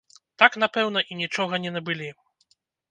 Так, напэўна, і нічога не набылі.